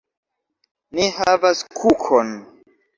Ni havas kukon!